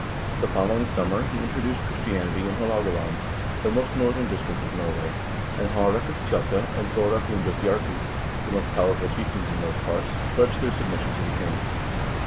The following summer he introduced Christianity in Haalogaland, the most northern district of Norway, and Ilaarek of Tjotta and Thore Hund of Bjarkey, the most powerful chieftains in those parts, pledged their submission to the king.